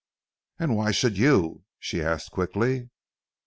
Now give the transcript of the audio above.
"And why should you?" she asked quickly.